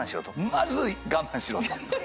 まず我慢しろと。